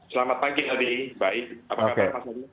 selamat pagi ldi baik apa kabar pak